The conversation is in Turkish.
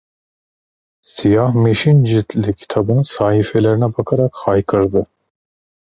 Siyah meşin ciltli kitabın sahifelerine bakarak haykırdı: